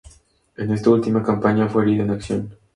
En esta última campaña fue herido en acción.